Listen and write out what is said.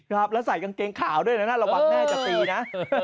ครับแล้วใส่กางเกงขาวด้วยนะระวังแม่จะตีนะ